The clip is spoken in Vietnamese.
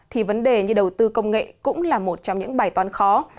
thì vấn đề như đầu tư công nghệ cũng là một trong những bài toán khó